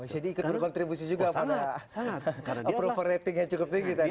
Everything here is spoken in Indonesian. jadi ikut berkontribusi juga pada approval rating yang cukup tinggi tadi ya